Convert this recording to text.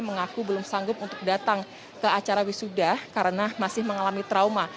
mengaku belum sanggup untuk datang ke acara wisuda karena masih mengalami trauma